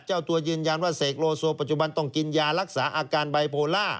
เจ้าตัวยืนยันว่าเสกโลโซปัจจุบันต้องกินยารักษาอาการไบโพล่า